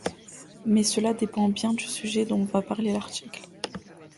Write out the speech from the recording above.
Mais cela dépend bien entendu du sujet dont va parler l'article.